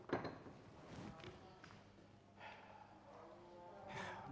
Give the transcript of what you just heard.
aku sudah periksa semua keuangan perusahaan